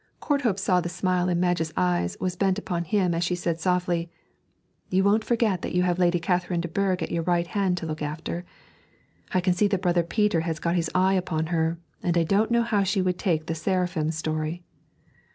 Courthope saw the smile in Madge's eyes was bent upon him as she said softly, 'You won't forget that you have Lady Catherine de Bourg at your right hand to look after. I can see that brother Peter has got his eye upon her, and I don't know how she would take the "seraphim" story.'